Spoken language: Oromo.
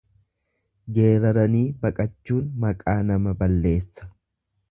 Geeraranii baqachuun maqaa nama balleessa.